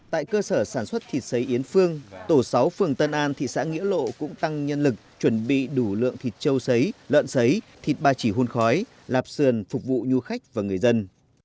tại cơ sở sản xuất thịt xấy yến phương tổ sáu phường tân an thị xã nghĩa lộ cũng tăng nhân lực chuẩn bị đủ lượng thịt trâu xấy lợn xấy thịt ba chỉ hun khói lạp sườn phục vụ nhu khách và người dân